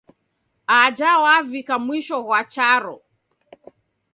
Aja wavika mwisho ghwa charo.